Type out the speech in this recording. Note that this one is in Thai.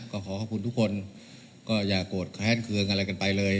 ก็ขอขอบคุณทุกคนก็อย่าโกรธแค้นเครื่องอะไรกันไปเลย